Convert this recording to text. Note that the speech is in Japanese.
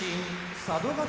佐渡ヶ嶽